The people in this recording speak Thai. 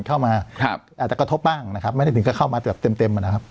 เข้ามาครับอาจจะกระทบบ้างนะครับไม่ได้ถึงก็เข้ามาแบบเต็มเต็มนะครับ